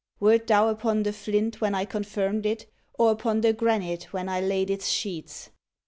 Wert thou upon the flint when I confirmed it, or upon the granite when I laid its sheets'?